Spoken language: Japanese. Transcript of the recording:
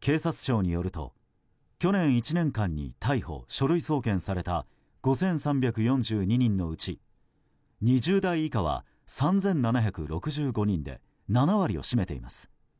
警察庁によると、去年１年間に逮捕・書類送検された５３４２人のうち２０代以下は３７６５人で７割を占めています。